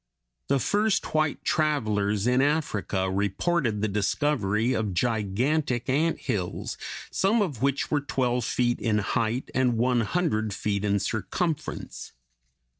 The first white travelers in Africa reported the discovery of gigantic ant hills, some of which were twelve feet in height (Fig. 190) and one hundred feet in circumference.